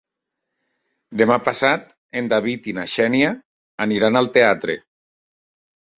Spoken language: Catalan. Demà passat en David i na Xènia aniran al teatre.